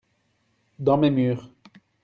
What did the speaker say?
dans mes murs.